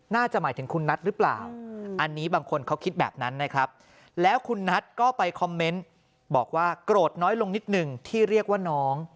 น่าจะหมายถึงคุณนัทหรือเปล่าอันนี้บางคนเขาคิดแบบนั้นนะครับแล้วคุณนัทก็ไปคอมเมนต์บอกว่าโกรธน้อยลงนิดนึงที่เรียกว่าน้อง